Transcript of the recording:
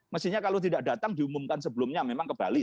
mestinya kalau tidak datang diumumkan sebelumnya memang ke bali